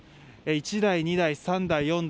１台、２台、３台、４台。